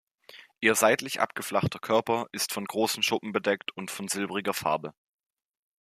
Ihr seitlich abgeflachter Körper ist von großen Schuppen bedeckt und von silbriger Farbe.